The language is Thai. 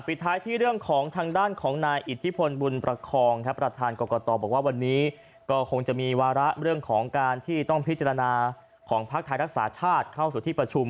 ท้ายที่เรื่องของทางด้านของนายอิทธิพลบุญประคองครับประธานกรกตบอกว่าวันนี้ก็คงจะมีวาระเรื่องของการที่ต้องพิจารณาของภักดิ์ไทยรักษาชาติเข้าสู่ที่ประชุม